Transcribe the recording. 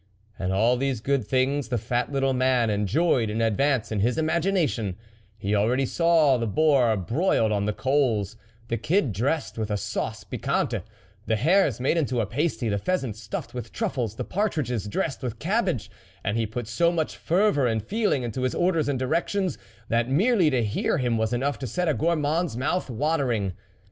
And all these good things the fat little man enjoyed in advance in his imagination; he already saw the boar broiled on the coals, the kid dressed with sauce piquante, the hares made into a pasty, the pheasants stuffed with truffles, the partridges dressed with cabbag s, and he put so much fervour and feeling into his orders and directions, that merely to hear him was enough to set a gourmand's mouth watering.